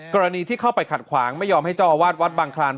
กรณีที่เข้าไปขัดขวางไม่ยอมให้เจ้าอาวาสวัดบางคลาน